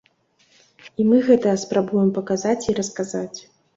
І мы гэта спрабуем паказаць і расказаць.